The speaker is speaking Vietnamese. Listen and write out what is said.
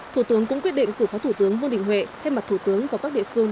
thủ tướng cũng quyết định cử phó thủ tướng vương đình huệ thay mặt thủ tướng và các địa phương